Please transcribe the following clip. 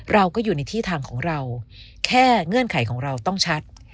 เราก็อยู่ในที่ทางของเราแค่เงื่อนไขของเราต้องชัด